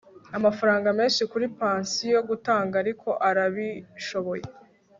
amafaranga menshi kuri pansiyo gutanga ariko arabishoboye